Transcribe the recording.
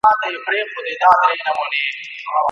یا فرنګ ته یا پنجاب په ښکنځلو